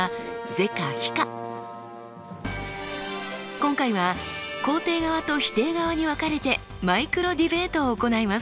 今回は肯定側と否定側に分かれてマイクロディベートを行います。